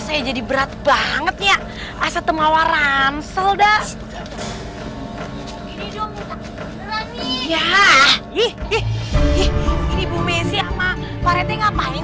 saya tidak akan pernah berhenti untuk mengganggu